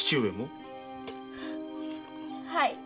はい。